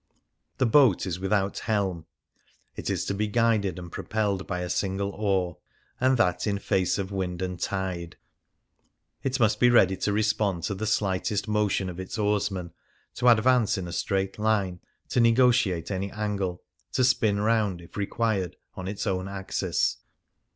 no The Lagoon The boat is without helm ; it is to be guided and propelled by a single oar, and that in face of wind and tide ; it must be ready to respond to the slightest motion of its oarsman, to advance in a straight line, to negotiate any angle, to spin round, if required, on its own axis.